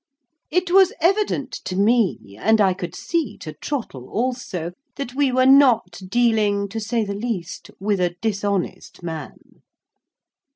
It was evident to me—and, I could see, to Trottle also—that we were not dealing, to say the least, with a dishonest man.